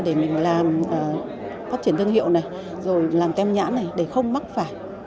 để mình làm phát triển thương hiệu này rồi làm tem nhãn này để không mắc phải